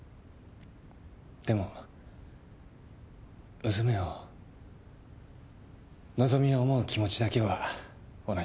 でも娘を和希を思う気持ちだけは同じでした。